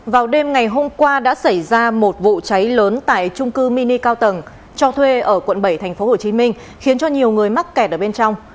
vào đêm ngày hôm qua đã xảy ra một vụ cháy lớn tại trung cư mini cao tầng cho thuê ở quận bảy tp hcm khiến cho nhiều người mắc kẹt ở bên trong